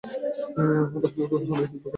হতাহত তো হবেই, দুই পক্ষেরই।